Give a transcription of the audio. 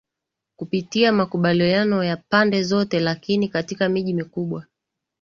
kupitia makubaliano ya pande zote Lakini katika miji mikubwa